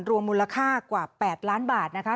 รวมมูลค่ากว่า๘ล้านบาทนะคะ